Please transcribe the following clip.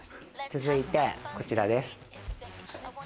続いて、こちらです。